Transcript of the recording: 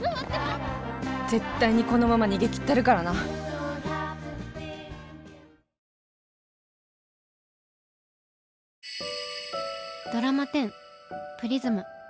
絶対にこのまま逃げきったるからなドラマ１０「プリズム」。